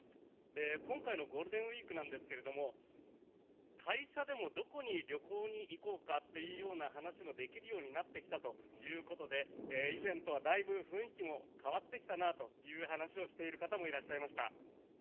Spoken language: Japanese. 今回のゴールデンウィークなんですが会社でもどこに旅行に行こうかという話もできるようになってきたということで以前とはだいぶ雰囲気も変わってきたなという話をしていらっしゃる方もいました。